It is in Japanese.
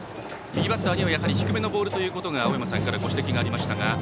右バッターには低めのボールということが青山さんからご指摘がありました。